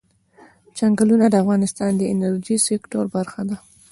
چنګلونه د افغانستان د انرژۍ سکتور برخه ده.